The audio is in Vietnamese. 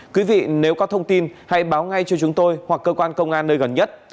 quý vị nếu có thông tin hãy báo ngay cho chúng tôi hoặc cơ quan công an nơi gần nhất